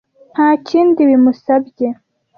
nta kindi bimusabye